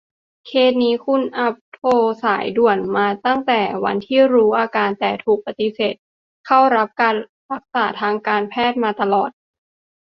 เคสนี้คุณอัพโทรสายด่วนมาตั้งแต่วันที่รู้อาการ แต่ถูกปฎิเสธเข้ารับการรักษาทางการแพทย์มาตลอด